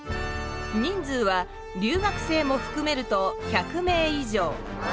人数は留学生もふくめると１００名以上。